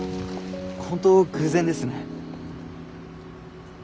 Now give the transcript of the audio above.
本当偶然ですね。